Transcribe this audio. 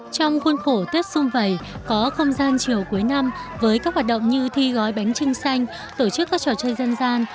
trong khuôn khổ tết xung vầy có không gian chiều cuối năm với các hoạt động như thi gói bánh trưng xanh tổ chức các trò chơi dân gian